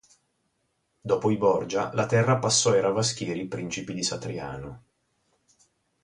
Dopo i Borgia, la terra passò ai Ravaschieri principi di Satriano.